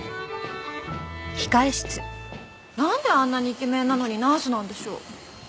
なんであんなにイケメンなのにナースなんでしょう？